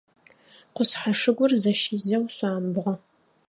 Къушъхьэ шыгур зэщизэу шъуамбгъо.